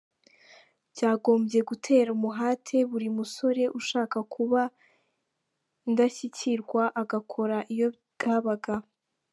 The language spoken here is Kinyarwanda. "Byagombye gutera umuhate buri musore ushaka kuba indashyikirwa agakora iyo bwabaga.